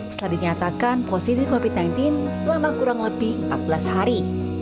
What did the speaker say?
setelah dinyatakan positif covid sembilan belas selama kurang lebih empat belas hari